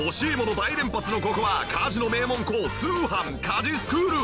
大連発のここは家事の名門校通販☆家事スクール！